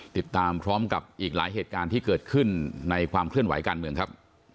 ติดตามพร้อมกับอีกหลายเหตุการณ์ที่เกิดขึ้นในความเคลื่อนไหวการเมืองครับ